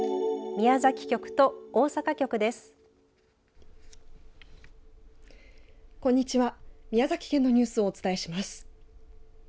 宮崎県のニュースをお伝えします。